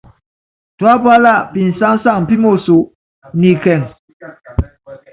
Tuápála pisáŋsaŋ pímoso ni ikɛŋ.